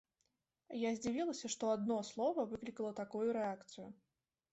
Я здзівілася, што адно слова выклікала такую рэакцыю.